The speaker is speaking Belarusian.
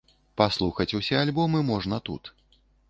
Паслухаць усе альбомы можна тут.